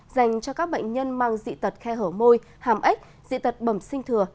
dành cho các bệnh nhân mang dị tật khe hở môi hàm ếch dị tật bẩm sinh thừa